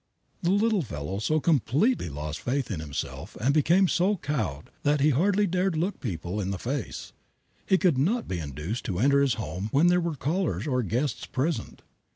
The little fellow so completely lost faith in himself and became so cowed that he hardly dared look people in the face. He could not be induced to enter his home when there were callers or guests present.